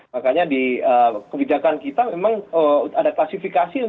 makanya di kebijakan kita memang ada klasifikasi